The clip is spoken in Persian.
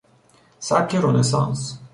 سبک رنسانس